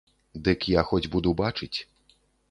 Дык я хоць буду бачыць.